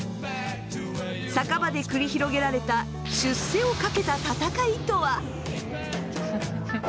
酒場で繰り広げられた出世を懸けた戦いとは？